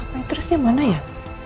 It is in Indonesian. pair terusnya mana ya